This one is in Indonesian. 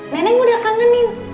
neneng udah kangenin